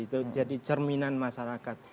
itu jadi cerminan masyarakat